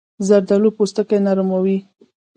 زردالو پوستکی نرم وي.